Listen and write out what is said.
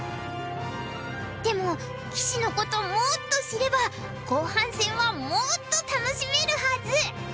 でも棋士のこともっと知れば後半戦はもっと楽しめるはず！